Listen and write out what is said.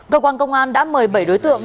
cơ quan công an đã mời bảy đối tượng